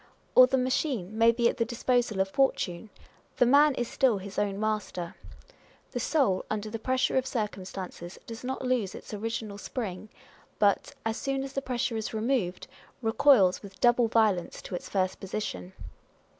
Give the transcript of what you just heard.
Or the machine may be at the disposal of fortune : the man is still his own master. The soul, under the pressure of circumstances, does not lose its original spring, but, as soon as the pressure is removed, recoils with double violence to its first position.